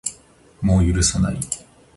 もう許さない